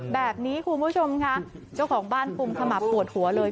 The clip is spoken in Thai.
แบบนี้คุณผู้ชมค่ะเจ้าของบ้านกุมขมับปวดหัวเลย